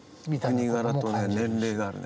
お国柄とね年齢があるね。